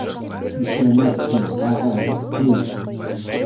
Ишмәмәт тим, ағай, ҡуй!